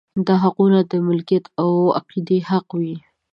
دا حقونه د مالکیت او عقیدې حق وي.